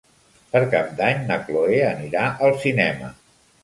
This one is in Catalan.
Per Cap d'Any na Cloè anirà al cinema.